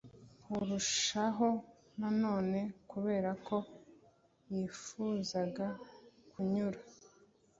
Kurushaho nanone kubera ko yifuzaga kunyura